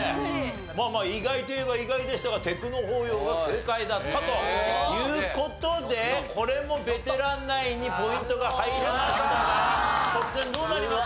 まあまあ意外といえば意外でしたがテクノ法要が正解だったという事でこれもベテランナインにポイントが入りましたが得点どうなりました？